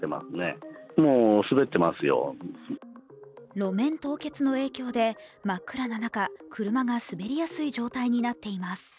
路面凍結の影響で真っ暗な中、車が滑りやすい状態になっています。